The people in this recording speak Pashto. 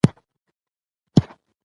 احمدشاه بابا د خپل ولس خدمت ته ژمن و.